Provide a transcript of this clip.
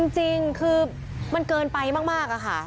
จริงคือมันเกินไปมากอะค่ะ